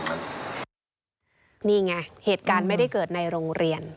นี่ไงเหตุการณ์ไม่ได้เกิดในโรงเรียน